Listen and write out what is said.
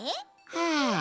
はあ